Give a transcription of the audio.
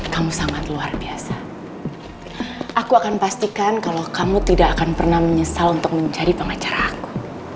kamu sangat luar biasa aku akan pastikan kalau kamu tidak akan pernah menyesal untuk menjadi pengacara aku